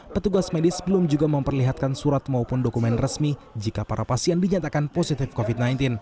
petugas medis belum juga memperlihatkan surat maupun dokumen resmi jika para pasien dinyatakan positif covid sembilan belas